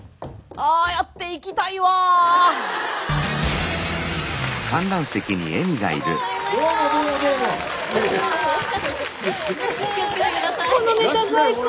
あこのネタ最高！